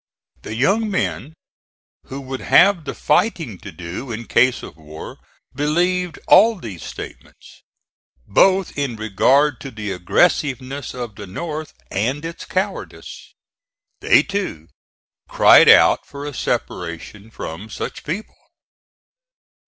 The young men who would have the fighting to do in case of war, believed all these statements, both in regard to the aggressiveness of the North and its cowardice. They, too, cried out for a separation from such people.